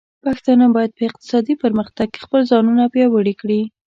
پښتانه بايد په اقتصادي پرمختګ کې خپل ځانونه پياوړي کړي.